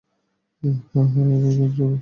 হ্যাঁ, হ্যাঁ, আমরা ভ্যানে চড়ে যাব।